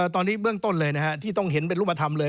ตอนนี้เบื้องต้นเลยที่ต้องเห็นเป็นรูปธรรมเลย